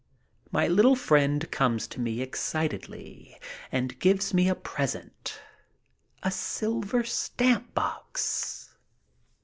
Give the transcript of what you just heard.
My little friend comes to me excitedly and gives me a present — a silver stamp box.